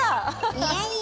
いやいや！